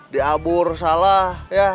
diabur salah ya